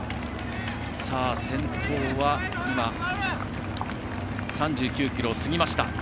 先頭は３９ｋｍを過ぎました。